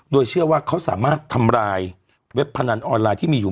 โดยเชื่อว่าเขาสามารถทำลายเว็บพนันออนไลน์ที่มีอยู่